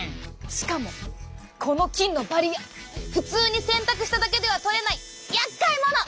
しかもこの菌のバリア普通に洗濯しただけでは取れないやっかいもの！